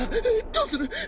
どうする！？